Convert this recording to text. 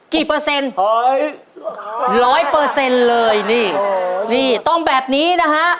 เปอร์เซ็นต์ร้อยเปอร์เซ็นต์เลยนี่นี่ต้องแบบนี้นะฮะ